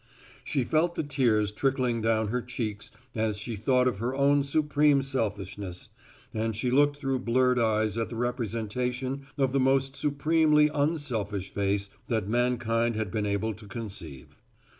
She felt the tears trickling down her cheeks as she thought of her own supreme selfishness, and she looked through blurred eyes at the representation of the most supremely unselfish face that mankind has been able to conceive.